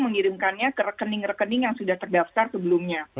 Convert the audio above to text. mengirimkannya ke rekening rekening yang sudah terdaftar sebelumnya